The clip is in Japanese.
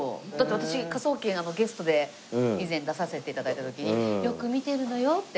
私『科捜研』ゲストで以前出させて頂いた時に「よく見てるのよ」って。